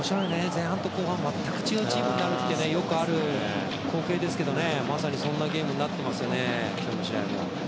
前半と後半全く違うチームになるってよくある光景ですけどまさにそんなゲームになってますよね、今日の試合も。